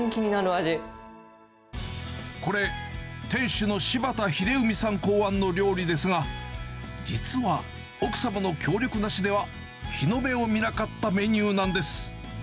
これ、店主の柴田日出海さん考案の料理ですが、実は、奥様の協力なしではひのでを見なかったメニューなんです。